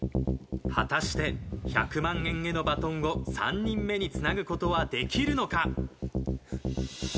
果たして１００万円へのバトンを３人目につなぐ事はできるのか。